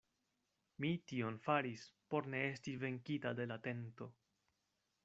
Mi tion faris, por ne esti venkita de la tento.